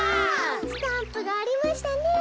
スタンプがありましたねえ。